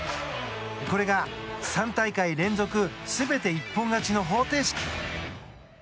これが３大会連続全て一本勝ちの方程式。